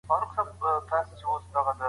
دا زموږ ملي شتمني ده.